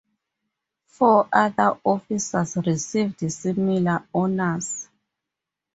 Four other officers received similar honours.